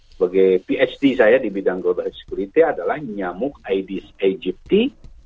sebagai phd saya di bidang global security adalah nyamuk aegypti